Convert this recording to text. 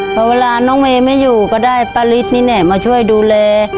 เพราะเวลาน้องเมย์ไม่อยู่ก็ได้ป้าฤทธินี่แหละมาช่วยดูแล